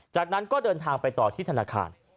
จากนั้นก็เดินทางไปต่อที่ธนาคาร